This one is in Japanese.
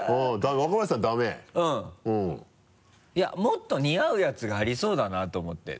いやもっと似合うやつがありそうだなと思って。